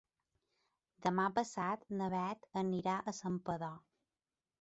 Demà passat na Beth irà a Santpedor.